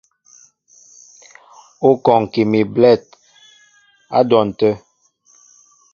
Ú kɔŋki mi belɛ̂ti á dwɔn tə̂.